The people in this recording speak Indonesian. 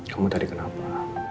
kamu tadi kenapa